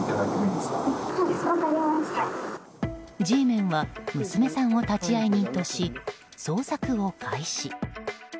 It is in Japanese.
Ｇメンは娘さんを立会人とし捜索を開始。